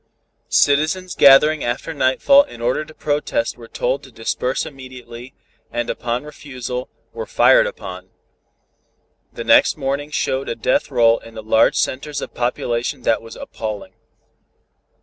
Citizens gathering after nightfall in order to protest were told to disperse immediately, and upon refusal, were fired upon. The next morning showed a death roll in the large centers of population that was appalling.